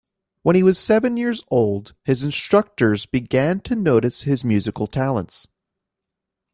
When he was seven years old, his instructors began to notice his musical talents.